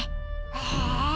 へえ。